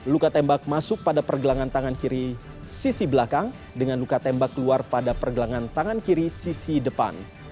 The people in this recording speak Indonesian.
luka tembak ini juga akan menembus tulang rahang bawah sisi kanan